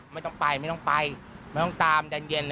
ไม่ต้องไปไม่ต้องไปไม่ต้องตามดันเย็น